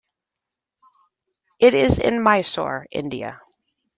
It is in Mysore, India.